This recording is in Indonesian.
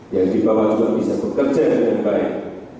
yang di bawah juga bisa bekerja dengan baik